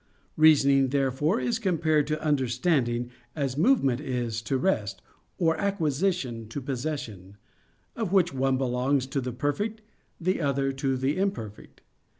Reasoning, therefore, is compared to understanding, as movement is to rest, or acquisition to possession; of which one belongs to the perfect, the other to the imperfect.